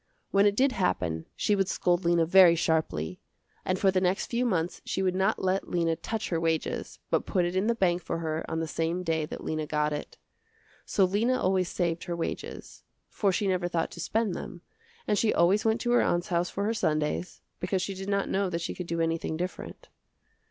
When it did happen she would scold Lena very sharply, and for the next few months she would not let Lena touch her wages, but put it in the bank for her on the same day that Lena got it. So Lena always saved her wages, for she never thought to spend them, and she always went to her aunt's house for her Sundays because she did not know that she could do anything different.